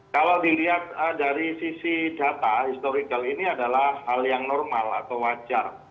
kalau dilihat dari sisi data historical ini adalah hal yang normal atau wajar